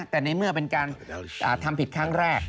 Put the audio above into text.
แต่ในเมื่อเป็นการทำผิดครั้งแรก